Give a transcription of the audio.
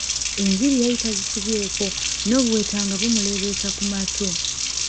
Enviiri yali tazisibyeko, n'obuweta nga bumuleebeetera ku matu.